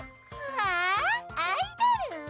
わあアイドル！